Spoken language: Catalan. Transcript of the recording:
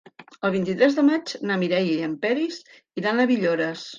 El vint-i-tres de maig na Mireia i en Peris iran a Villores.